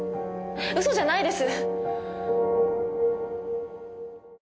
嘘じゃないです！